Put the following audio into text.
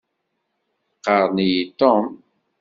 Qqaṛen-iyi Tom.